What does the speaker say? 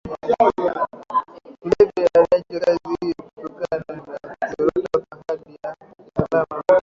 Vilevile aliacha kazi hiyo kutokana na kuzorota kwa hali ya usalama duniani